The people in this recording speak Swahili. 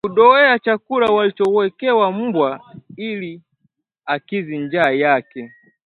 kudowea chakula walichowekewa mbwa ili akidhi njaa yake